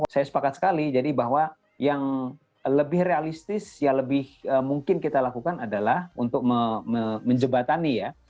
saya sepakat sekali jadi bahwa yang lebih realistis yang lebih mungkin kita lakukan adalah untuk menjebatani ya